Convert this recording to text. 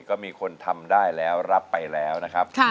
ก็มีคนทำได้แล้วรับไปแล้วนะครับ